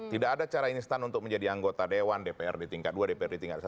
tidak ada cara instan untuk menjadi anggota dewan dpr di tingkat dua dprd tingkat satu